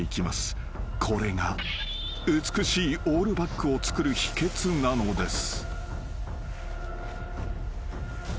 ［これが美しいオールバックを作る秘訣なのです］